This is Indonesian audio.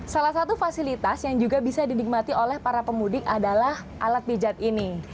salah satu fasilitas yang juga bisa dinikmati oleh para pemudik adalah alat pijat ini